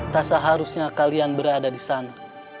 tak seharusnya kalian berada di sana